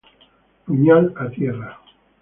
Puñal a tierra.